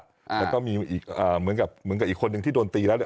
แล้วก็มีอีกเหมือนกับเหมือนกับอีกคนนึงที่โดนตีแล้วเนี่ย